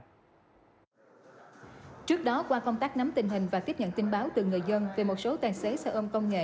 trước đó qua công tác nắm tình hình và tiếp nhận tin báo từ người dân về một số tài xế xe ôm công nghệ